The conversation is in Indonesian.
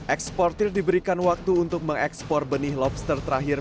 eksportir diberikan waktu untuk mengekspor benih lobster terakhir